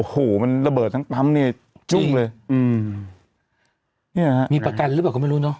โอ้โหมันระเบิดทั้งปั๊มเนี่ยจุ้งเลยอืมเนี่ยฮะมีประกันหรือเปล่าก็ไม่รู้เนอะ